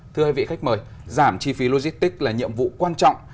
thưa hai vị khách mời giảm chi phí logistics là nhiệm vụ quan trọng